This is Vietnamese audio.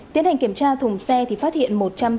tiến hành kiểm tra thùng xe thì phát hiện một trăm sáu mươi